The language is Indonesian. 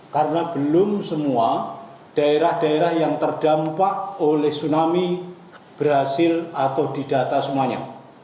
karena belum semua daerah daerah yang terdampak oleh tsunami berhasil atau didata semuanya